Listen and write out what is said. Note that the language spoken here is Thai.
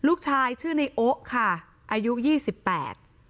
ลูกชายชื่อในโอ๊ะค่ะอายุยี่สิบแปด